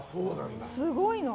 すごいの。